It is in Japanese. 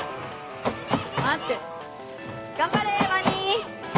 待って頑張れワニ。